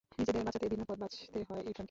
নিজেদের বাঁচাতে ভিন্ন পথ বাছতে হয় ইথানকে।